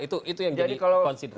itu yang jadi konsider